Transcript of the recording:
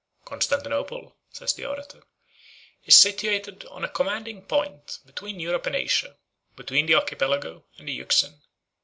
"Constantinople," says the orator, "is situate on a commanding point, between Europe and Asia, between the Archipelago and the Euxine.